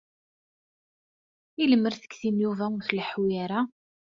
I lemmer tikti n Yuba ur tleḥḥu ara?